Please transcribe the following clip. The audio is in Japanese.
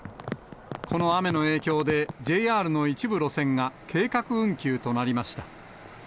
この雨の影響で、ＪＲの一部路線が、計画運休となりました。